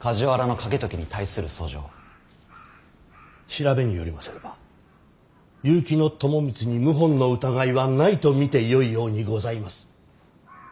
調べによりますれば結城朝光に謀反の疑いはないと見てよいようにございます。